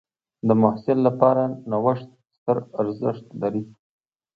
د محصل لپاره نوښت ستر ارزښت لري.